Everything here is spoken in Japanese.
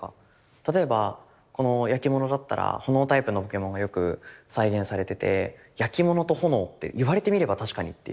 例えばこの焼き物だったらほのおタイプのポケモンがよく再現されてて焼き物と炎っていわれてみれば確かにっていう。